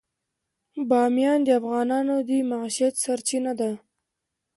بامیان د افغانانو د معیشت سرچینه ده.